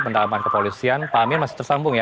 pendalaman kepolisian pak amin masih tersambung ya